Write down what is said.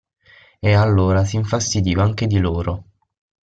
E, allora, s'infastidiva anche di loro.